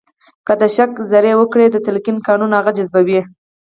که د شک زړي وکرئ د تلقین قانون هغه جذبوي